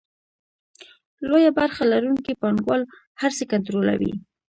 لویه برخه لرونکي پانګوال هر څه کنټرولوي